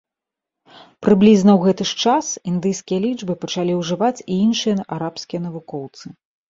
Прыблізна ў гэты ж час індыйскія лічбы пачалі ўжываць і іншыя арабскія навукоўцы.